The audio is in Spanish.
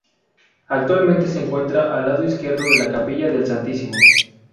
Actualmente se encuentra al lado izquierdo de la capilla del Santísimo.